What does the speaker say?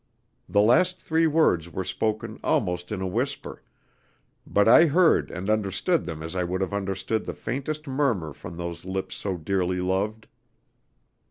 The last three words were spoken almost in a whisper, but I heard and understood them as I would have understood the faintest murmur from those lips so dearly loved.